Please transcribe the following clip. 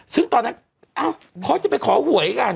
ซึ่งตอนนั้นเขาจะไปขอหวยกัน